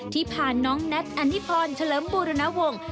ที่พาน้องนัทอันนิพรชะล้ำบูรณาวงศ์